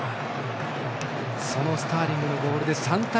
そのスターリングのゴールで３対０。